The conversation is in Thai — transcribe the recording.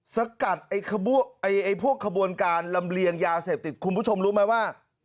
สกัดพวกขบวนการลำเลียงยาเสพติดคุณผู้ชมรู้ไหมว่า